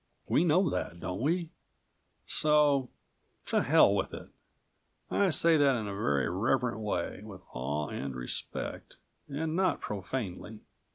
We know that, don't we? So ... to hell with it ... I say that in a very reverent way, with awe and respect, and not profanely.